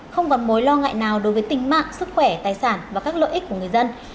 không còn mối lo ngại nào đối với tình mạng sức khỏe tài sản và các lợi ích của người dân